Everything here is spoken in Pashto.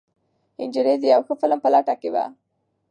نجلۍ د یو ښه فلم په لټه کې وه.